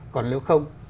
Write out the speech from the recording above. còn nếu không